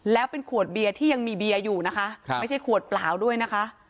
แล้วเป็นขวดเบียร์ที่ยังมีเบียร์อยู่นะคะไม่ใช่ขวดเปล่าด้วยนะคะ